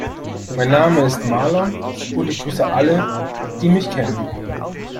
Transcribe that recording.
Mein Name ist Marlon und ich grüße alle, die mich kennen.